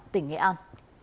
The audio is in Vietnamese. tỉnh nghệ an